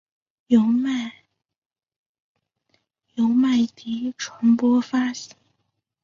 由曼迪传播发行。